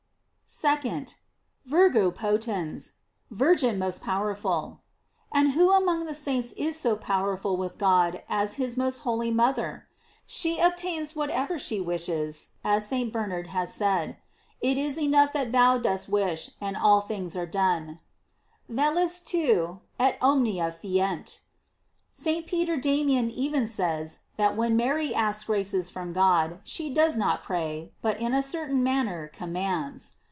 2d. "Virgo potens:" Virgin most powerful. And who among the saints is so powerful with God as his most holy mother ? She obtains whatever she wishes, as St. Bernard has said: It is enough that thou dost wish, and all things are done: "Velis tu et omnia fient." St. Peter Damian even says that when Mary asks graces from God she does not pray, but in a certain manner commands.!